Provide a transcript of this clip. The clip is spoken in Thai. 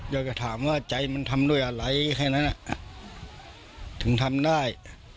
อยากจะถามว่าใจมันทำด้วยอะไรแค่นั้นถึงทำได้